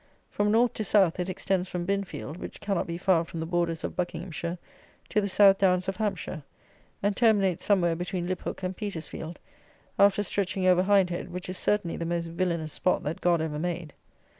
From North to South it extends from Binfield (which cannot be far from the borders of Buckinghamshire) to the South Downs of Hampshire, and terminates somewhere between Liphook and Petersfield, after stretching over Hindhead, which is certainly the most villanous spot that God ever made.